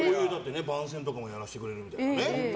番宣とかもやらしてくれるみたいね。